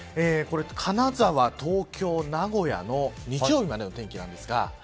金沢、東京、名古屋の日曜日までのお天気です。